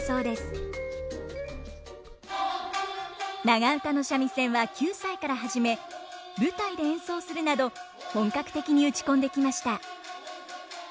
長唄の三味線は９歳から始め舞台で演奏するなど本格的に打ち込んできました。